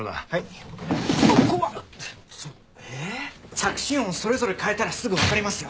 着信音をそれぞれ変えたらすぐわかりますよ。